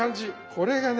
これがね